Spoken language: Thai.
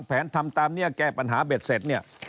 เปิดแผนทำตามแคปัญหาเบ็ดเสร็จนะครับ